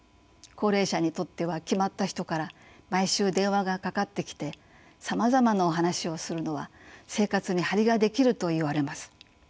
高齢者にとっては決まった人から毎週電話がかかってきてさまざまなお話をするのは生活に張りができるといわれます。